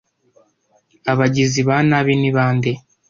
Abagizi ba nabi ni bande